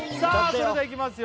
それではいきますよ